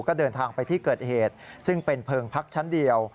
ก็เดินทางไปที่เกิดเหตุซึ่งเป็นเพลิงพักชั้นเดียว